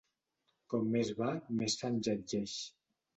Com més va, més s'enlletgeix.